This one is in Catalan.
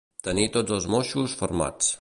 Tenir tots els moixos fermats.